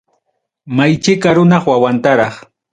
Maychika runap wawantaraq.